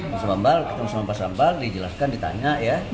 mas bambal ketemu sama mas sambal dijelaskan ditanya ya